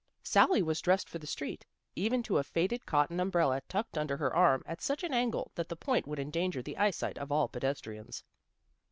Sally was dressed for the street, even to a faded cotton umbrella tucked under her arm at such an angle that the point would endanger the eyesight of all pedestrians.